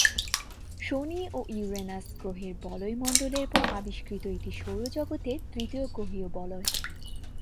শনি ও ইউরেনাস গ্রহের বলয় মণ্ডলের পর আবিষ্কৃত এটি সৌর জগতের তৃতীয় গ্রহীয় বলয়।